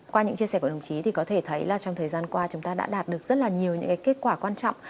qua những chia sẻ của đồng chí thì có thể thấy là trong thời gian qua chúng ta đã đạt được rất là nhiều những kết quả quan trọng